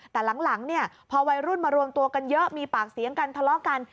แต่หลังเนี่ยพอวัยรุ่นมารวมตัวกันเยอะมีปากเสียงกันทะเลาะกัน